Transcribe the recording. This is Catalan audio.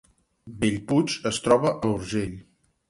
Bellpuig es troba a l’Urgell